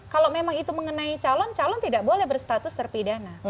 kalau memang itu mengenai calon calon tidak boleh berstatus terpidana